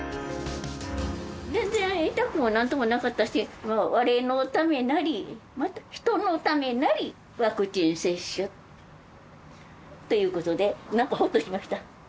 全然痛くもなんともなかったし、われのためなり、また人のためなり、ワクチン接種、ということで、なんかほっとしました。